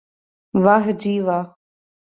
واہ جی واہ